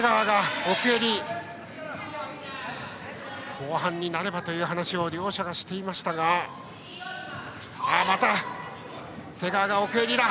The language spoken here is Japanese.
後半になればという話を両者がしていましたがまた、瀬川が奥襟を取る。